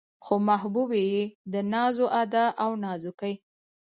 خو محبوبې يې د ناز و ادا او نازکۍ